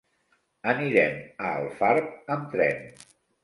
Anirem a Alfarb amb tren.